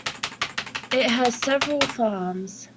It has several farms.